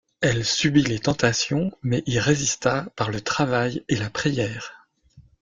Elle subit les tentations mais y résista par le travail et la prière.